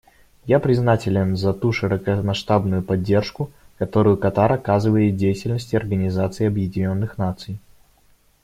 Я признателен за ту широкомасштабную поддержку, которую Катар оказывает деятельности Организации Объединенных Наций.